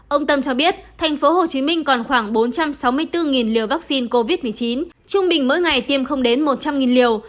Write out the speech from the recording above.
ông tâm cho biết tp hcm còn khoảng bốn trăm sáu mươi bốn liều vaccine covid một mươi chín trung bình mỗi ngày tiêm không đến một trăm linh liều